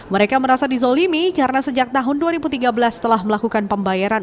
mereka merasa dizolimi karena sejak tahun dua ribu tiga belas telah melakukan pembayaran